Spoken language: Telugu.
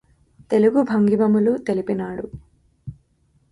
తెలుగు భంగిమములు తెలిపినాడు